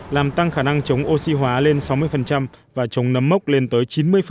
làm tăng khả năng chống oxy hóa lên sáu mươi và chống nấm mốc lên tới chín mươi